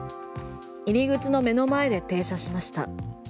入口の目の前で停車しました。